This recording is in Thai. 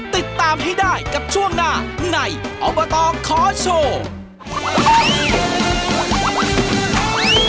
ติดตามให้ได้กับช่วงหน้าในอบตขอโชว์